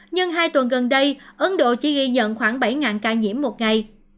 nhưng hai tuần gần đây ấn độ chỉ ghi nhận khoảng bảy ca nhiễm một ngày